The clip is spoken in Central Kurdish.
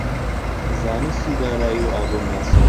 زانستی دارایی و ئابوورناسی